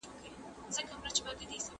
احساساتي پریکړې مه کوئ.